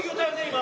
今。